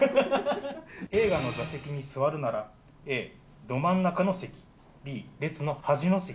映画の座席に座るなら、Ｂ・列の端の席。